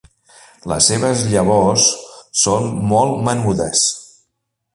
Les seves llavors són molt menudes.